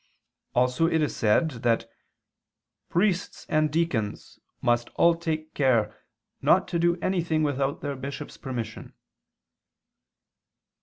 Also it is said (XVI, qu. i, can. Cunctis): "Priests and deacons must all take care not to do anything without their bishop's permission."